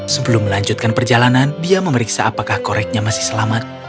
sebelum melanjutkan perjalanan dia memeriksa apakah koreknya masih selamat